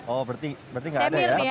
oh berarti nggak ada ya